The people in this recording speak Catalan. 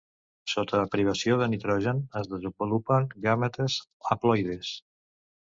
Sota privació de nitrogen es desenvolupen gàmetes haploides.